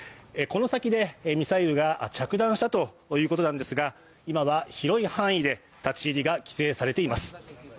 この先でミサイルが着弾したということなんですが、今は広い範囲で立ち入りが規制されています。